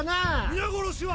皆殺しは！？